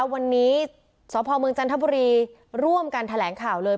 วันนี้สพเมืองจันทบุรีร่วมกันแถลงข่าวเลย